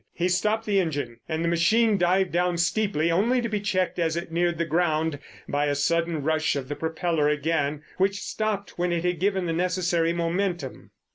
He stopped the engine and the machine dived down steeply, only to be checked as it neared the ground by a sudden rush of the propeller again, which stopped when it had given the necessary momentum.